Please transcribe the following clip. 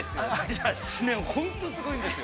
◆すごいんですよ。